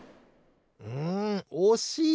んおしい！